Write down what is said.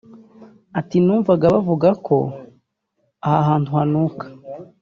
Ati “Numvaga bavuga ko aha hantu hanuka